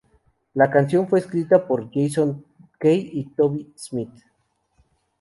La canción fue escrito por Jason Kay y Toby Smith.